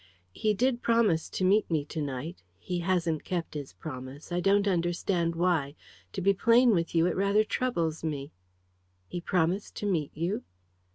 "He did promise to meet me to night. He hasn't kept his promise. I don't understand why. To be plain with you, it rather troubles me. "He promised to meet you?"